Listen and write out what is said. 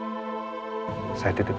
masih belum berusaha mengurus administrasi